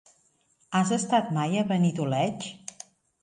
Has estat mai a Benidoleig?